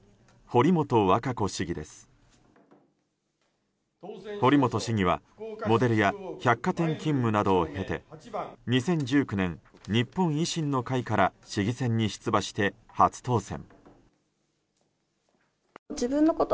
堀本市議はモデルや百貨店勤務などを経て２０１９年、日本維新の会から市議選に出馬して、初当選。